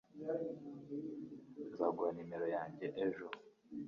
Nzaguha numero yanjye ejo